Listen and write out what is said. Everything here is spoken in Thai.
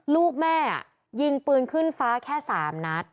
ลูกแม่ยิงปืนขึ้นฟ้าแค่๓นัด